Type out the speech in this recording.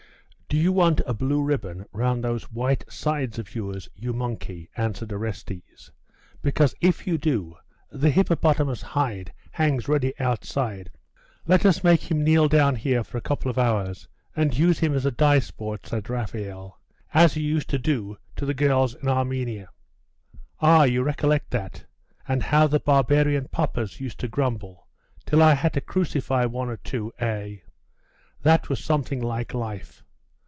'Do you want a blue ribbon round those white sides of yours, you monkey?' answered Orestes. 'Because, if you do, the hippopotamus hide hangs ready outside.' 'Let us make him kneel down here for a couple of hours, and use him as a dice board,' said Raphael, 'as you used to do to the girls in Armenia.' 'Ah, you recollect that? and how the barbarian papas used to grumble, till I had to crucify one or two, eh? That was something like life!